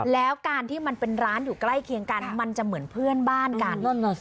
แล้วการที่มันเป็นร้านอยู่ใกล้เคียงกันมันจะเหมือนเพื่อนบ้านกัน